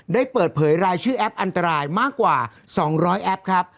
ได้เปิดเผยรายชื่อแอปอันตรายมากกว่า๒๐๐แอปครับ